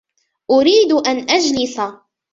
أريد أن أجلس.